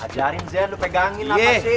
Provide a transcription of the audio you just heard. ajarin saya lu pegangin apa sih